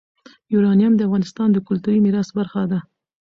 یورانیم د افغانستان د کلتوري میراث برخه ده.